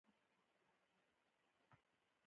خولۍ د معزز شخصیت پېژندنه ده.